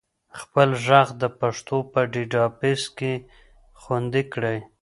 خپل ږغ د پښتو په ډیټابیس کې خوندي کړئ.